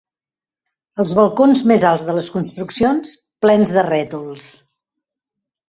Els balcons més alts de les construccions, plens de rètols